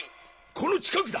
この近くだ！